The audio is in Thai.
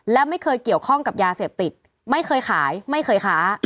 และไม่เคยเกี่ยวข้องกับยาเสพติดไม่เคยขายไม่เคยค้า